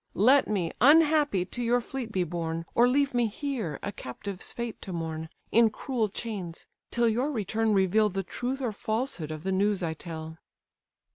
Let me, unhappy, to your fleet be borne, Or leave me here, a captive's fate to mourn, In cruel chains, till your return reveal The truth or falsehood of the news I tell."